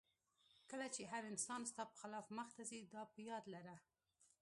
کله چې هر څه ستا په خلاف مخته ځي دا په یاد لره.